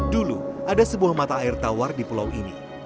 dulu ada sebuah mata air tawar di pulau ini